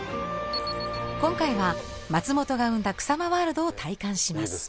今回は松本が生んだ草間ワールドを体感します。